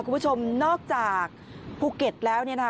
คุณผู้ชมนอกจากภูเก็ตแล้ว